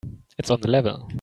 It's on the level.